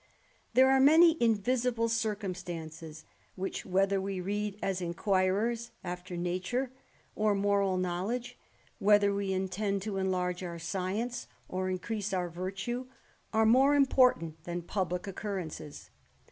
There are many invisible circumstances which, whether we read as inquirers after natural or moral knowledge, whether we intend to enlarge our science, or increase our virtue, are more important than publick occurrences.